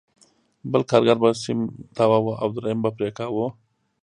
بل کارګر به سیم تاواوه او درېیم به پرې کاوه